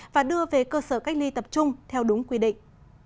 và đưa về cơ sở cách ly tập trung theo đúng quy định